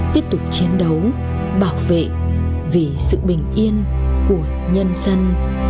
tiếp tục chiến đấu bảo vệ vì sự bình yên của nhân dân